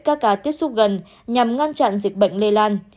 các ca tiếp xúc gần nhằm ngăn chặn dịch bệnh lây lan